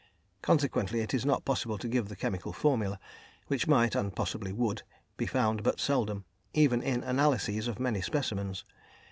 Consequently, it is not possible to give the chemical formula, which might, and possibly would, be found but seldom, even in analyses of many specimens.